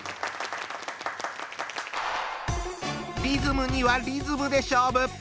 リズムにはリズムで勝負！